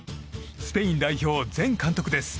スペイン代表前監督です。